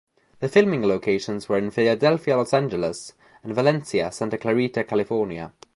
The filming locations were in Philadelphia, Los Angeles, and Valencia, Santa Clarita, California.